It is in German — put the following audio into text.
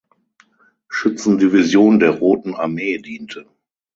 Schützendivision der Roten Armee diente.